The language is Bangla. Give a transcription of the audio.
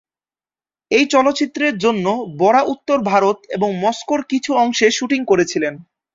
এই চলচ্চিত্রের জন্য বোরা উত্তর ভারত এবং মস্কোর কিছু অংশে শুটিং করেছিলেন।